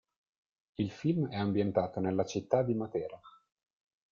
Il film è ambientato nella Città di Matera.